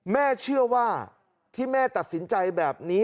แม่เชื่อว่าที่แม่ตัดสินใจแบบนี้